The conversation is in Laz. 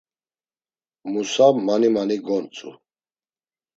Musa mani mani gontzu.